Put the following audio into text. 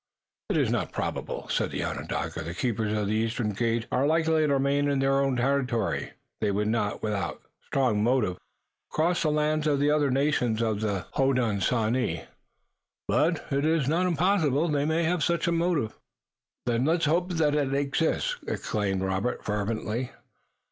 "It is not probable," said the Onondaga. "The Keepers of the Eastern Gate are likely to remain in their own territory. They would not, without a strong motive, cross the lands of the other nations of the Hodenosaunee, but it is not impossible. They may have such a motive." "Then let us hope that it exists!" exclaimed Robert fervently.